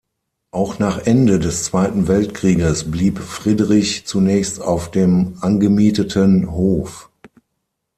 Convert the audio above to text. Auch nach Ende des Zweiten Weltkrieges blieb Friedrich zunächst auf dem angemieteten Hof.